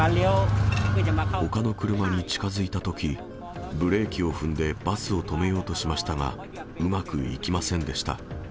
ほかの車に近づいたとき、ブレーキを踏んでバスを止めようとしましたが、うまくいきませんでした。